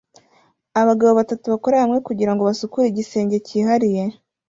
Abagabo batatu bakorera hamwe kugirango basukure igisenge cyihariye